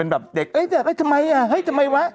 เป็นการกระตุ้นการไหลเวียนของเลือด